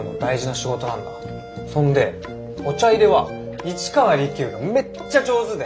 そんでお茶いれは市川利休がめっちゃ上手で。